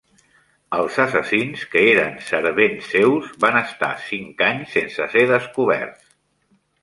Els assassins, que eren servents seus, van estar cinc anys sense ser descoberts.